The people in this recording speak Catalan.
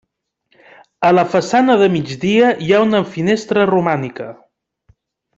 A la façana de migdia hi ha una finestra romànica.